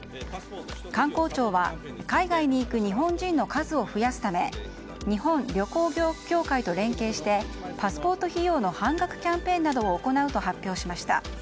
観光庁は海外に行く日本人の数を増やすため日本旅行協会と連携してパスポート費用の半額キャンペーンなどを行うと発表しました。